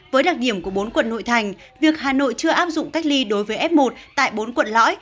với đặc điểm của bốn quận nội thành việc hà nội chưa áp dụng cách ly đối với f một tại bốn quận lõi